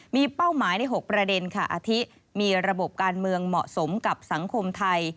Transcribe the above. มีเป้าหมายใน๖ประเด็นค่ะอาทิมีระบบการเมืองเหมาะสมกับสังคมไทย